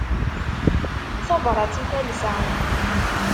Tabrat i talsa.